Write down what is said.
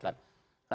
kan ada semboyangan